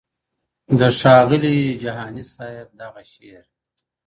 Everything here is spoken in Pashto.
دښاغلی جهانی صاحب دغه شعر٫